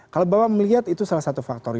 kalau bapak melihat itu salah satu faktor